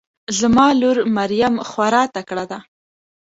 زما لور مريم خواره تکړه ده